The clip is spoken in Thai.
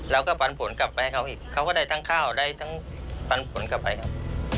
ปันผลกลับไปให้เขาอีกเขาก็ได้ทั้งข้าวได้ทั้งปันผลกลับไปครับ